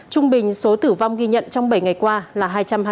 trung bình số tử vong ghi nhận trong bảy ngày qua là hai trăm hai mươi bốn